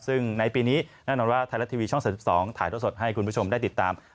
ซึ่งในปีนี้แน่นอนว่าไทยรัฐทีวีช่อง๓๒ถ่ายท่อสดให้คุณผู้ชมได้ติดตาม